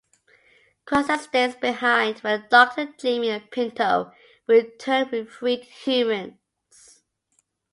Crossland stays behind when the Doctor, Jamie and Pinto return with freed humans.